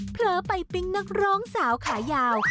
เผลอไปปิ๊งนักร้องสาวขายาว